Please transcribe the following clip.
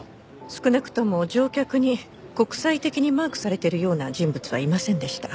少なくとも乗客に国際的にマークされてるような人物はいませんでした。